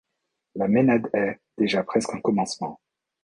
La ménade est -déjà presque un commencement